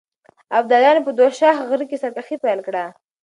ابداليانو په دوشاخ غره کې سرکښي پيل کړه.